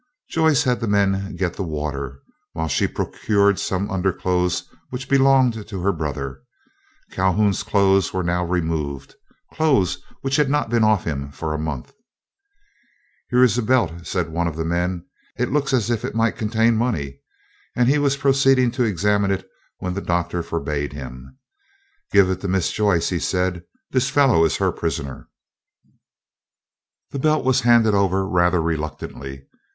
Joyce had the men get the water, while she procured some underclothes which belonged to her brother. Calhoun's clothes were now removed, clothes which had not been off him for a month. "Here is a belt," said one of the men; "it looks as if it might contain money," and he was proceeding to examine it when the Doctor forbade him. "Give it to Miss Joyce," he said; "the fellow is her prisoner." The belt was handed over rather reluctantly.